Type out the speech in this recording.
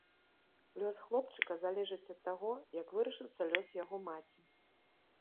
Лёс хлопчыка залежыць ад таго, як вырашыцца лёс яго маці.